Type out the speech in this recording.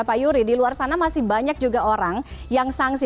pak yuri di luar sana masih banyak juga orang yang sanksi